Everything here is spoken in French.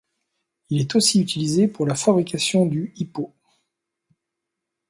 Il est aussi utilisé pour la fabrication du 'ipo.